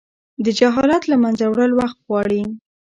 د جهالت له منځه وړل وخت غواړي.